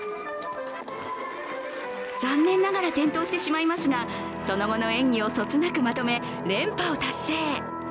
残念ながら転倒してしまいますがその後の演技をそつなくまとめ連覇を達成。